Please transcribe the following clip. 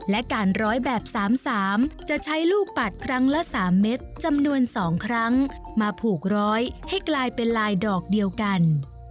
และการร้อยแบบ๓๓จะใช้ลูกปัดครั้งละ๓เม็ดจำนวน๒ครั้งมาผูกร้อยให้กลายเป็นลายดอกเดียวกัน